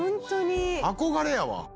憧れやわ。